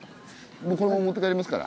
このまま持って帰りますから。